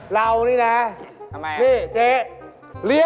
โปรดติดตามตอนต่อไป